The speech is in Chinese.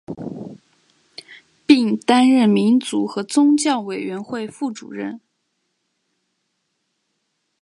并担任民族和宗教委员会副主任。